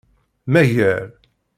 Mager.